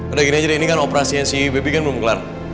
udah gini aja deh ini kan operasi yang si bebi kan belum kelar